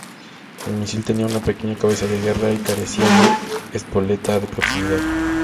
El misil tenía una pequeña cabeza de guerra, y carecía de espoleta de proximidad.